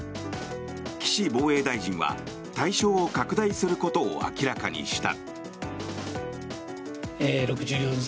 岸防衛大臣は対象を拡大することを明らかにした。